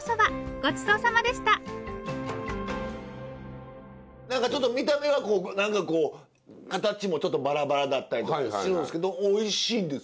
ごちそうさまでした何かちょっと見た目はこう何かこう形もちょっとバラバラだったりとかしてるんですけどおいしいんです。